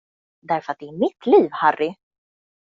Därför att det är mitt liv, Harry!